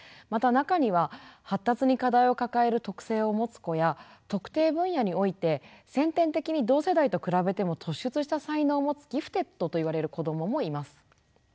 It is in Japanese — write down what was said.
また中には発達に課題を抱える特性を持つ子や特定分野において先天的に同世代と比べても突出した才能を持つギフテッドといわれる子どももいます。